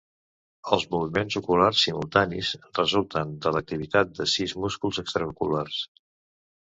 Els moviments oculars simultanis resulten de l'activitat de sis músculs extraoculars.